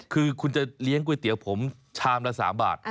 คือคุณจะเลี้ยงก๋วยเตี๋ยวผมชามละ๓บาท